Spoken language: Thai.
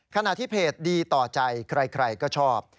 ขณะที่เพจดีต่อใจใครก็ชอบ